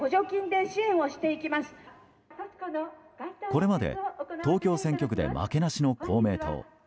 これまで東京選挙区で負けなしの公明党。